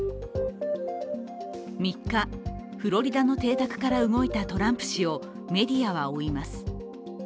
３日、フロリダの邸宅から動いたトランプ氏をメディアは追います。